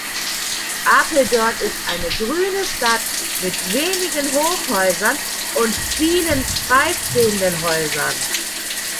Apeldoorn ist eine grüne Stadt mit wenigen Hochhäusern und vielen freistehenden Häusern.